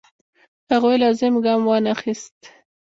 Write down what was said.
هغوی لازم ګام وانخیست.